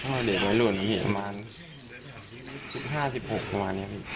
ใช่ครับเพราะว่าเด็กน้อยหลุนสมัน๑๕๑๖ประมาณนี้